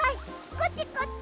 こっちこっち。